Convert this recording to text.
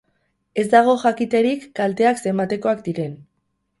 Ez dago jakiterik kalteak zenbatekoak diren.